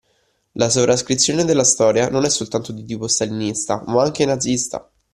La sovrascrizione della storia non è soltanto di tipo stalinista ma anche nazista